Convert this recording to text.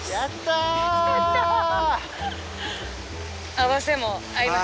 合わせも合いました。